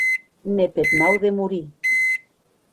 Ne peth mau de morir!